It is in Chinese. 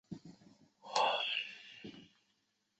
梁质华未婚。